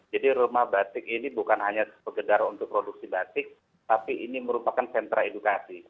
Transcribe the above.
jadi rumah batik ini bukan hanya sepedara untuk produksi batik tapi ini merupakan sentra edukasi